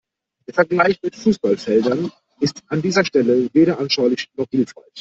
Der Vergleich mit Fußballfeldern ist an dieser Stelle weder anschaulich noch hilfreich.